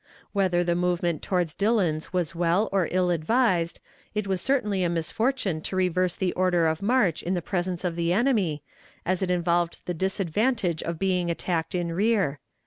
Whether the movement toward Dillon's was well or ill advised, it was certainly a misfortune to reverse the order of march in the presence of the enemy, as it involved the disadvantage of being attacked in rear.